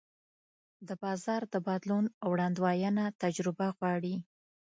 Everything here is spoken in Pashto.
د بازار د بدلون وړاندوینه تجربه غواړي.